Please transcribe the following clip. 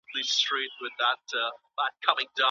بې ځايه پيغورونه د ټولنې ستونزه ده.